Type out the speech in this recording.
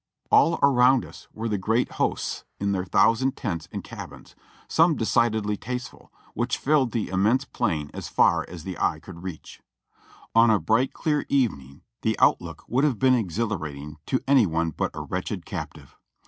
All around us were the great hosts in their thousand tents and cabins, — some decidedly tasteful, — which filled the immense plain as far as the eye could reach. On a bright, clear evening the outlook would have been exhilarating to any one but a wretched captive.